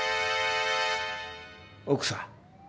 奥さん。